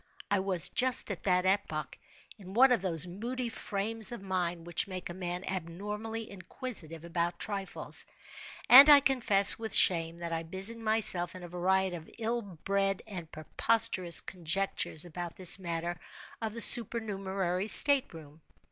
I was, just at that epoch, in one of those moody frames of mind which make a man abnormally inquisitive about trifles: and I confess, with shame, that I busied myself in a variety of ill bred and preposterous conjectures about this matter of the supernumerary state room.